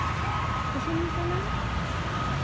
一緒に行かない？